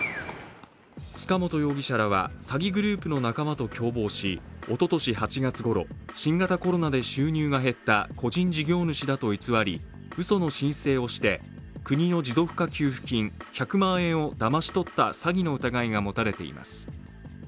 塚本容疑者らは詐欺グループの仲間と共謀しおととし８月ごろ、新型コロナで収入が減った個人事業主だと偽り、うその申請をして国の持続化給付金１００万円をだまし取った詐欺の疑いが持たれています。